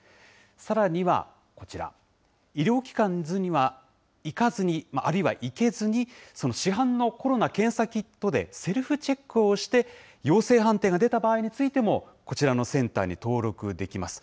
さらには、こちら、医療機関には行かずに、あるいは行けずに、市販のコロナ検査キットでセルフチェックをして、陽性判定が出た場合についても、こちらのセンターに登録できます。